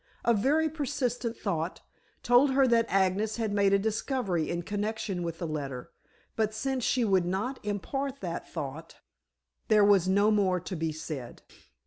A very persistent thought told her that Agnes had made a discovery in connection with the letter, but since she would not impart that thought there was no more to be said.